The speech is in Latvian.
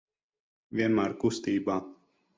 Vienmēr kustībā.